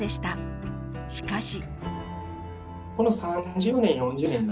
しかし。